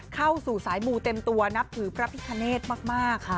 เข้าสู่สายมูเต็มตัวนับถือพระพิคเนธมาก